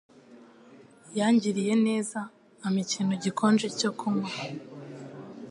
Yangiriye neza ampa ikintu gikonje cyo kunywa.